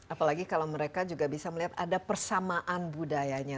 apalagi kalau mereka juga bisa melihat ada persamaan budayanya